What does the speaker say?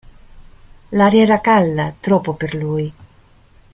L'aria era calda, troppo per lui.